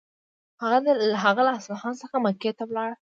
هغه له اصفهان څخه مکې ته ولاړ.